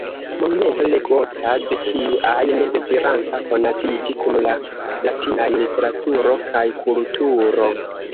Monumento legota de ĉiu ajn deziranta konatiĝi kun la latinaj literaturo kaj kulturo.